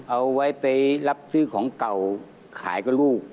เอาไว้ไปรับซื้อของเก่าขายกับลูก